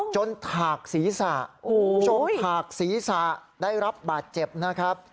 ถากศีรษะจนถากศีรษะได้รับบาดเจ็บนะครับ